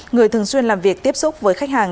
người thường xuyên làm việc tiếp xúc với khách hàng